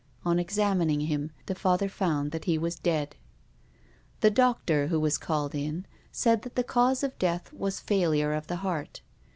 On examining him the Father found that he was dead. The doctor, who was called in, said that the cause of death was failure of the heart.